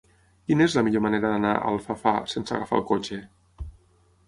Quina és la millor manera d'anar a Alfafar sense agafar el cotxe?